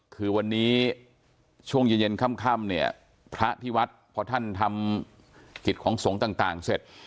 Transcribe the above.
คือวันนี้ช่วงเย็นเย็นค่ำเนี่ยพระที่วัดพอท่านทำกิจของสงฆ์ต่างเสร็จ